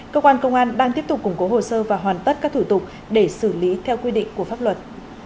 cơ quan công an đang tiếp tục củng cố hồ sơ và hoàn tất các thủ tục để xử lý theo quy định của pháp luật